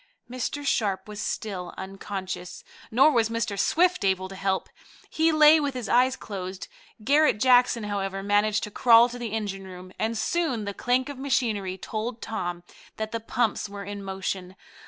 Mr. Sharp was still unconscious, nor was Mr. Swift able to help. He lay with his eyes closed. Garret Jackson, however, managed to crawl to the engine room, and soon the clank of machinery told Tom that the pumps were in motion.